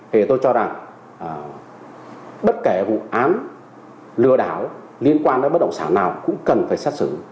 thì tôi cho rằng bất kể vụ án lừa đảo liên quan đến bất động sản nào cũng cần phải xét xử